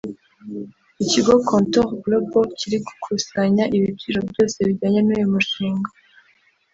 Ikigo ContourGlobal kiri gukusanya ibiciro byose bijyanye n’ uyu mushinga